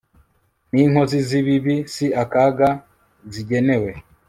n'inkozi z'ibibi si akaga zigenewe